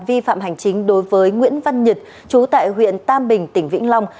vi phạm hành chính đối với nguyễn văn nhật chú tại huyện tam bình tỉnh vĩnh long